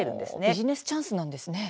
ビジネスチャンスなんですね。